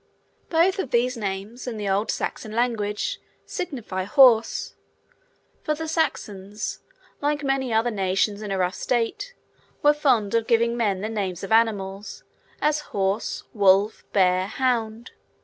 Both of these names, in the old Saxon language, signify Horse; for the Saxons, like many other nations in a rough state, were fond of giving men the names of animals, as Horse, Wolf, Bear, Hound.